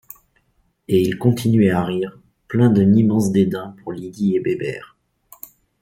Et il continuait à rire, plein d’un immense dédain pour Lydie et Bébert.